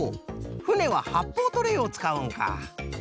ふねははっぽうトレーをつかうんか！